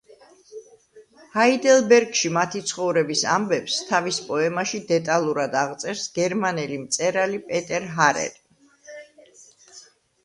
ჰაიდელბერგში მათი ცხოვრების ამბებს, თავის პოემაში დეტალურად აღწერს გერმანელი მწერალი პეტერ ჰარერი.